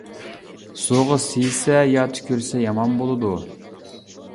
سۇغا سىيسە يا تۈكۈرسە يامان بولىدۇ.